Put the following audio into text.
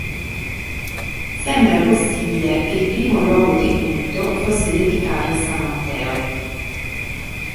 Sembra possibile che il primo luogo di culto fosse dedicato a san Matteo.